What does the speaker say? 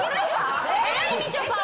みちょぱ！？